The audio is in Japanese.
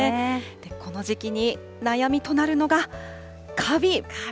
この時期に悩みとなるのが、かび。